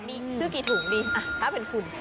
มีซื้อกี่ถุงดีถ้าเป็นคุณ